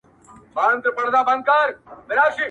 بيا هم وچكالۍ كي له اوبو سره راوتـي يـو.